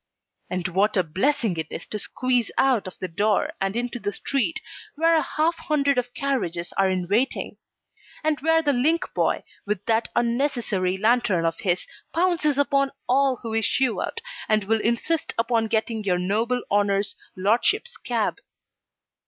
And what a blessing it is to squeeze out of the door, and into the street, where a half hundred of carriages are in waiting; and where the link boy, with that unnecessary lantern of his, pounces upon all who issue out, and will insist upon getting your noble honour's lordship's cab.